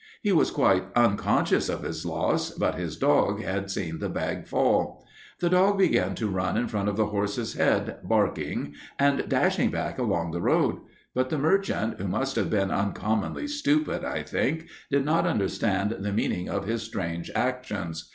He was quite unconscious of his loss, but his dog had seen the bag fall. The dog began to run in front of the horse's head, barking, and dashing back along the road, but the merchant, who must have been uncommonly stupid, I think, did not understand the meaning of his strange actions.